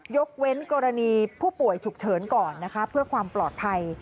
ยกเว้นกรณีผู้ป่วยฉุกเฉินก่อนนะคะเพื่อความปลอดภัย